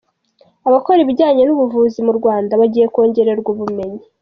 Abakora ibijyanye n’ubuvuzi mu Rwanda bagiye kongererwa ubumenyi